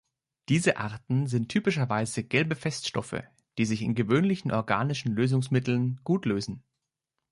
Diese Arten sind typischerweise gelbe Feststoffe, die sich in gewöhnlichen organischen Lösungsmitteln gut lösen.